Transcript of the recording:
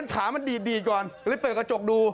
ขามันดีดก่อนเลยเปิดกระจกดู